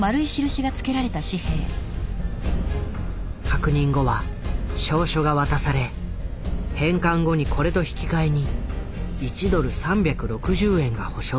確認後は証書が渡され返還後にこれと引き換えに１ドル３６０円が保証される。